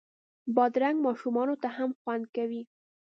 بادرنګ ماشومانو ته هم خوند کوي.